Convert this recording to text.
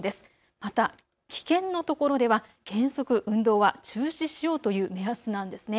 また危険のところでは原則運動は中止しようという目安なんですね。